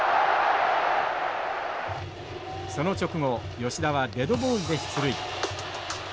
その直後吉田はデッドボールで出塁。